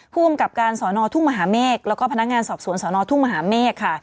ภูมิกับการสอนอทุ่งมหาเมฆแล้วก็พนักงานสอบสวนสนทุ่งมหาเมฆค่ะ